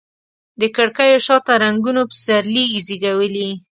د کړکېو شاته رنګونو پسرلي زیږولي